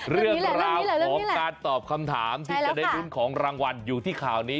เรื่องราวของการตอบคำถามที่จะได้ลุ้นของรางวัลอยู่ที่ข่าวนี้